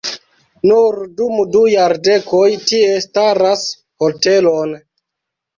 Nur dum du jardekoj tie staras hotelon.